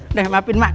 udah maafin emak